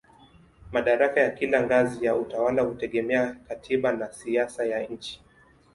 Madaraka ya kila ngazi ya utawala hutegemea katiba na siasa ya nchi.